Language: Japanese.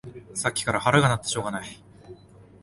さっきから腹が鳴ってしょうがない